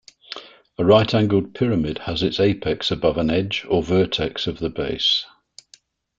A right-angled pyramid has its apex above an edge or vertex of the base.